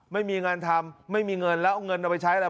ไม่มีงานทำไม่มีเงินแล้วเอาเงินเอาไปใช้แล้ว